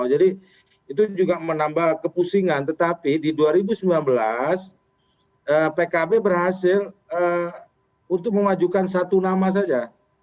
jadi itu juga menambah kepusingan tetapi di dua ribu sembilan belas pkb berhasil untuk memajukan satu nama saja